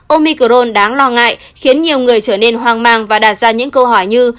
omicron đáng lo ngại khiến nhiều người trở nên hoang mang và đặt ra những câu hỏi như